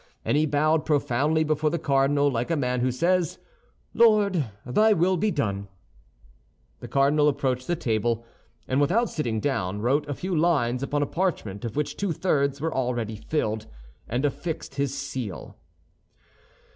And he bowed profoundly before the cardinal, like a man who says, "Lord, Thy will be done!" The cardinal approached the table, and without sitting down, wrote a few lines upon a parchment of which two thirds were already filled, and affixed his seal.